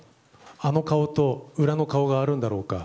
あの顔と裏の顔があるんだろうか。